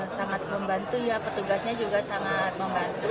sangat membantu ya petugasnya juga sangat membantu